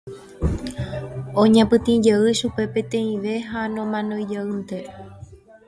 Oñapytĩjey chupe peteĩve ha nomanoijeýnte.